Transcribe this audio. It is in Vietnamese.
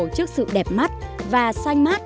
trước sự đẹp mắt và xanh mát